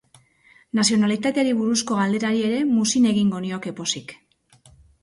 Nazionalitateari buruzko galderari ere muzin egingo nioke pozik.